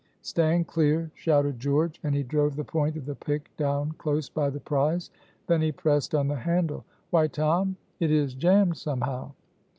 "Stand clear," shouted George, and he drove the point of the pick down close by the prize, then he pressed on the handle. "Why, Tom, it is jammed somehow."